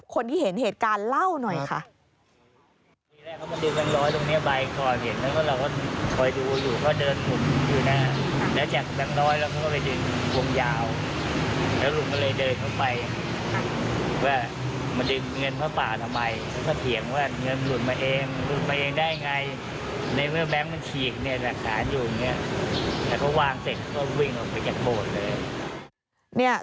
คนที่เห็นเหตุการณ์เล่าหน่อยค่ะ